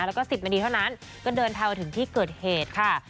แล้วก็๑๐นาทีเท่านั้นก็เดินทางมาถึงที่เกิดเหตุค่ะ